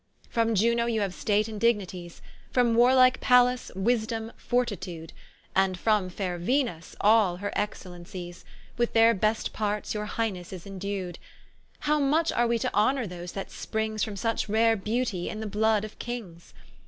From Iuno you haue State and Dignities, From warlike Pallas, Wisdome, Fortitude; And from faire Venus all her excellencies, With their best parts your Highnesse is indu'd: How much are we to honor those that springs From such rare beauty, in the blood of Kings?